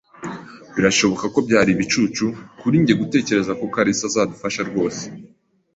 Birashoboka ko byari ibicucu kuri njye gutekereza ko kalisa azadufasha rwose.